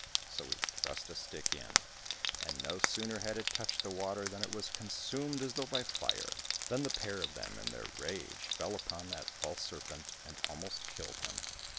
So he thrust a stick in, and no sooner had it touched the water than it was consumed as though by fire. Then the pair of them, in their rage, fell upon that false serpent and almost killed him.